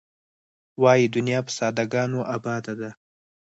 وایې دنیا په ساده ګانو آباده ده.